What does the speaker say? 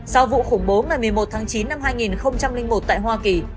sau vụ khủng bố ngày một mươi một tháng chín năm hai nghìn một tại hoa kỳ